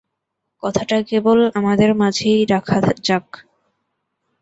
কথাটা কেবল আমাদের মাঝেই রাখা যাক।